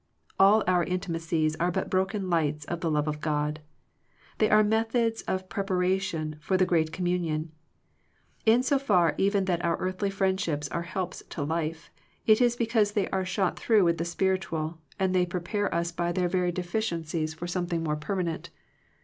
All our intimacies are but broken lights of the love of God. They are methods ot preparation for the great communion. In so far even that our earthly friendships are helps to life, it is because they are shot through with the spiritual, and tftey prepare us by their very deficiencies fQ» 218 Digitized by VjOOQIC THE HIGHER FRIENDSHIP something more permanent.